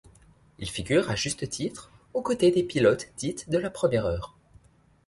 Il figure à juste titre au côté des pilotes dite de la première heure.